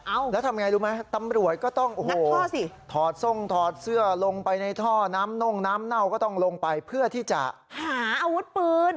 เอาแล้วทำไงรู้ไหมตำรวจก็ต้องงัดท่อสิถอดทรงถอดเสื้อลงไปในท่อน้ำน่งน้ำเน่าก็ต้องลงไปเพื่อที่จะหาอาวุธปืน